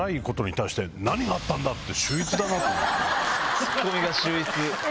ツッコミが秀逸。